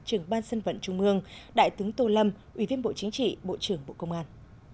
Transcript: trưởng ban dân vận trung ương đại tướng tô lâm ủy viên bộ chính trị bộ trưởng bộ công an